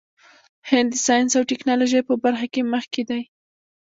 هند د ساینس او ټیکنالوژۍ په برخه کې مخکې دی.